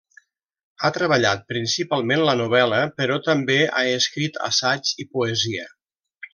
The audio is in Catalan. Ha treballat principalment la novel·la, però també ha escrit assaig i poesia.